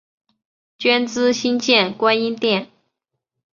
捐资新建观音殿。